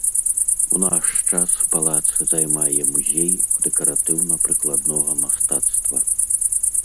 У наш час палац займае музей дэкаратыўна-прыкладнога мастацтва.